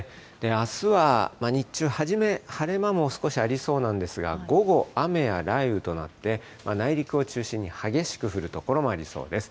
あすは日中はじめ晴れ間も少しありそうなんですが、午後、雨や雷雨となって、内陸を中心に激しく降る所もありそうです。